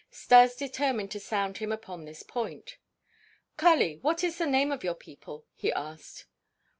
Stas determined to sound him upon this point. "Kali, what is the name of your people?" he asked.